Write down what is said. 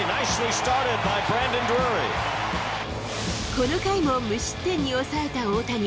この回も無失点に抑えた大谷。